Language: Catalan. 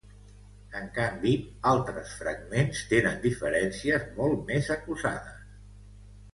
En canvi altres fragments tenen diferències molt més acusades.